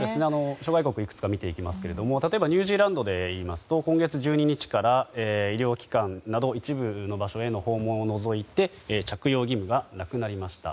諸外国いくつか見ていきますが例えば、ニュージーランドは今月１２日から医療機関など一部の場所を除いて着用義務がなくなりました。